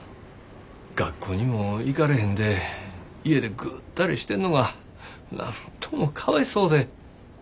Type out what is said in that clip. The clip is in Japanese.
学校にも行かれへんで家でぐったりしてんのがなんともかわいそうで。